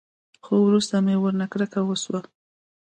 خو وروسته مې ورنه کرکه وسوه.